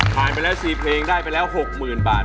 ผ่านไปแล้ว๔เพลงได้ไปแล้ว๖๐๐๐บาท